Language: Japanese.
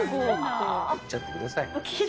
いっちゃってください。